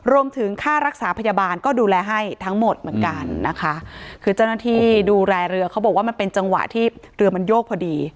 รวมถึงค่ารักษาพยาบาลก็ดูแลให้ทั้งหมดเหมือนกันนะคะคือเจ้าหน้าที่ดูแลเรือเขาบอกว่ามันเป็นจังหวะที่เรือมันโยกพอดี